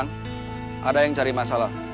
ada yang cari masalah